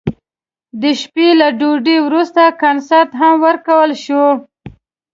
د شپې له ډوډۍ وروسته کنسرت هم ورکړل شو.